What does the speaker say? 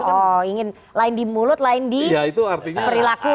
oh ingin lain di mulut lain di perilaku